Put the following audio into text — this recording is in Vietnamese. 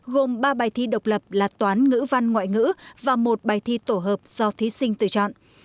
gồm ba bài thi độc lập là toán ngữ văn ngoại ngữ và một bài thi tổ hợp do thí sinh tự chọn